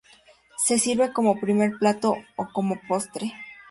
Se sirve como primer plato o como postre.